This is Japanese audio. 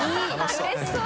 うれしそう。